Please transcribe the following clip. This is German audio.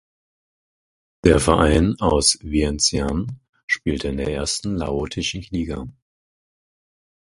Der Verein aus Vientiane spielte in der ersten laotischen Liga.